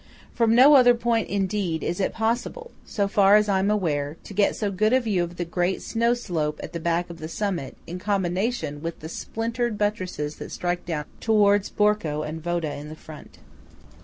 From no other point, indeed, is it possible, so far as I am aware, to get so good a view of the great snow slope at the back of the summit in combination with the splintered buttresses that strike down towards Borco and Vodo in the front.